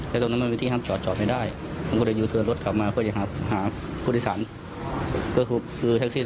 แต่ตรงนั้นมันไม่มีที่